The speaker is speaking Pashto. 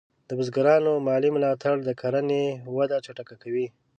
د بزګرانو مالي ملاتړ د کرنې وده چټکه کوي.